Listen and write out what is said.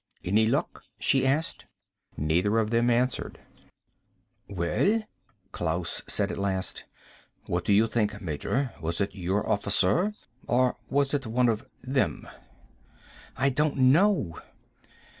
"Any luck?" she asked. Neither of them answered. "Well?" Klaus said at last. "What do you think, Major? Was it your officer, or was it one of them?" "I don't know."